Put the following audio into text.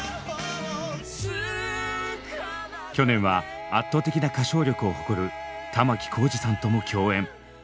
去年は圧倒的な歌唱力を誇る玉置浩二さんとも共演。